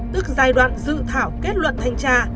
tức giai đoạn dự thảo kết luận thanh tra